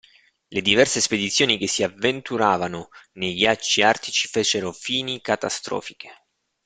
Le diverse spedizioni che si avventuravano nei ghiacci artici fecero fini catastrofiche.